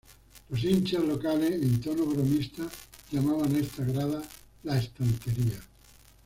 Los hinchas locales, en tono bromista, llamaban a esta grada "La Estantería".